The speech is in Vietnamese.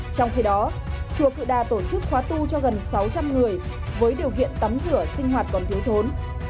trong khi đó chùa cự đà tổ chức khóa tu cho gần sáu trăm linh người với điều kiện tắm rửa sinh hoạt còn thiếu thốn